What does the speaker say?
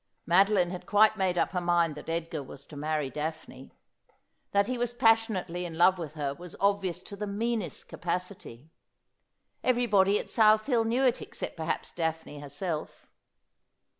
Madoline had quite made up her mind that Edgar was to marry Daphne. That he was pas sionately in love with her was obvious to the meanest capacity. Everybody at South Hill knew it except perhaps Daphne her self.